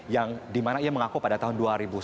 yang dimana ia mengaku pada tahun dua ribu sebelas